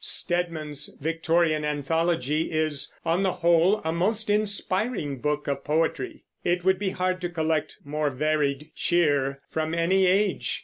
Stedman's Victorian Anthology is, on the whole, a most inspiring book of poetry. It would be hard to collect more varied cheer from any age.